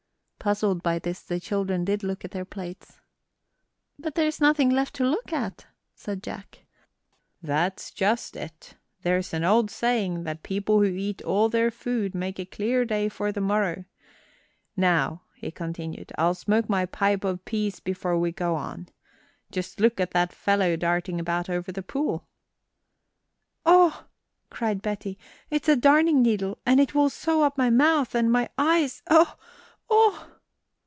Puzzled by this, the children did look at their plates. "But there's nothing left to look at," said Jack. "That's just it. There's an old saying that people who eat all their food make a clear day for the morrow. Now," he continued, "I'll smoke my pipe of peace before we go on. Just look at that fellow darting about over the pool!" "Oh!" cried Betty, "it's a darning needle, and it will sew up my mouth and my eyes oh, oh!"